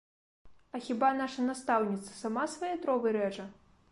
А хіба наша настаўніца сама свае дровы рэжа?